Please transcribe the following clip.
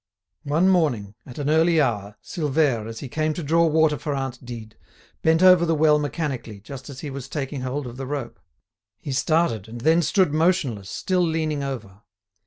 One morning, at an early hour, Silvère, as he came to draw water for aunt Dide, bent over the well mechanically, just as he was taking hold of the rope. He started, and then stood motionless, still leaning over.